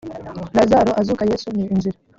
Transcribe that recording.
lazaro azuka yesu ni inzira